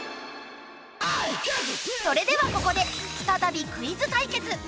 それではここで再びクイズ対決。